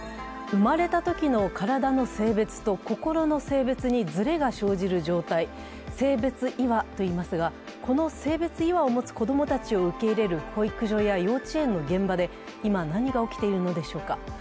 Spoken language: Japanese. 生まれたときの体の性別と心の性別にずれが生じる状態、性別違和と言いますがこの性別違和を持つ子供たちを受け入れる保育所や幼稚園の現場で今、何が起きているのでしょうか。